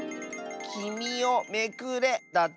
「きみをめくれ」だって。